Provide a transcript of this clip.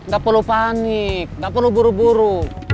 gak perlu panik gak perlu buru buru